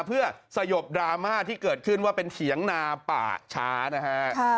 เพื่อสยบดราม่าที่เกิดขึ้นว่าเป็นเถียงนาป่าช้านะฮะ